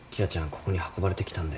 ここに運ばれてきたんだよ。